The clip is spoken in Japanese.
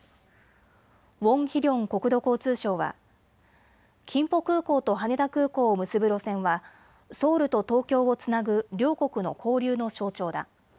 ウォン・ヒリョン国土交通相は、キンポ空港と羽田空港を結ぶ路線はソウルと東京をつなぐ両国の交流の象徴だ。